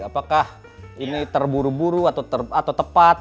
apakah ini terburu buru atau tepat